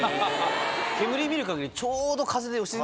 煙見る限りちょうど。